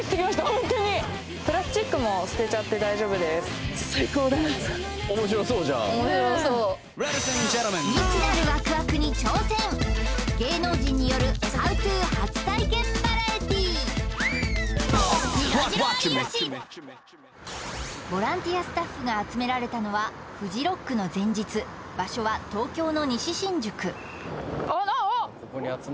ホントにプラスチックも捨てちゃって大丈夫ですボランティアスタッフが集められたのはフジロックの前日場所は東京の西新宿おっあっ